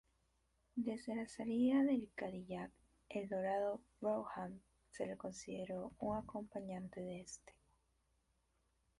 Desde la salida del Cadillac Eldorado Brougham, se le consideró un acompañante de este.